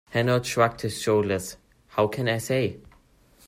Hanaud shrugged his shoulders: "How can I say?"